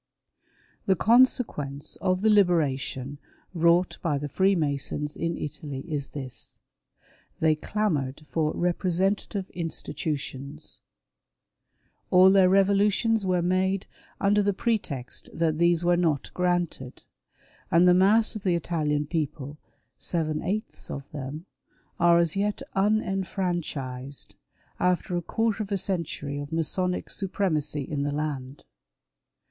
The consequence of the " liberation " wrought by the Freemasons in Italy is this : They clamoured for representative institutions. All their revolutions were made under the pretext that these were not granted — and the mass of the Italian people — seven eighths of them — are as yet unenfranchised, after a quarter of a century of Masonic supremacy in the land.